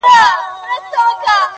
o چي محبت يې زړه كي ځاى پـيـدا كـړو.